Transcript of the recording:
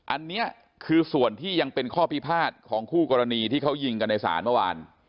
อันนี้คือส่วนที่ยังเป็นข้อพิพาทของคู่กรณีที่เขายิงกันในศาลเมื่อวาน